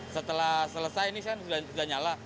setelah selesai ini kan sudah nyala